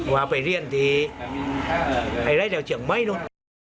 ว่าไปเรียนที่ไอ้ไร้เดียวเฉียงไม่นึง